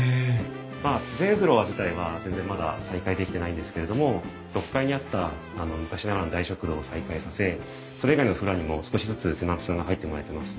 まあ全フロア自体は全然まだ再開できてないんですけれども６階にあった昔ながらの大食堂を再開させそれ以外のフロアにも少しずつテナントさんが入ってもらえてます。